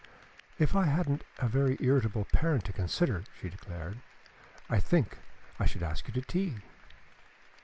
"If I hadn't a very irritable parent to consider," she declared, "I think I should ask you to tea."